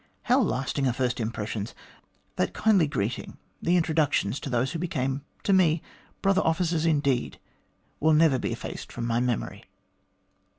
How lasting are first impressions ! That kindly greeting, the introductions to those who became to me brother officers indeed, will never be effaced from my memory."